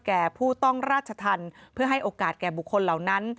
แก่ผู้ต้องราชธรรมเพื่อให้โอกาสแก่บุคคลเหล่านั้น